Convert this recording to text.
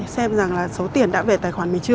xem rằng là số tiền đã về tài khoản